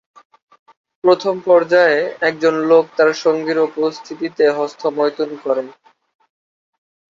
প্রথম পর্যায়ে, একজন লোক তার সঙ্গীর উপস্থিতিতে হস্তমৈথুন করে।